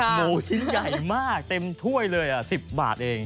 หมูชิ้นใหญ่มากเต็มถ้วยเลย๑๐บาทเอง